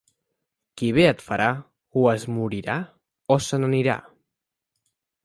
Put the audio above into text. Qui bé et farà, o es morirà o se n'anirà.